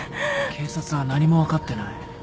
警察は何も分かってない。